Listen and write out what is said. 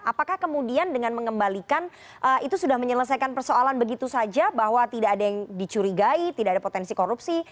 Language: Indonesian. apakah kemudian dengan mengembalikan itu sudah menyelesaikan persoalan begitu saja bahwa tidak ada yang dicurigai tidak ada potensi korupsi